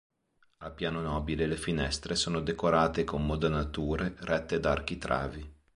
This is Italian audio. Al piano nobile le finestre sono decorate con modanature rette da architravi.